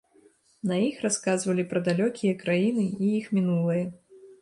На іх расказвалі пра далёкія краіны і іх мінулае.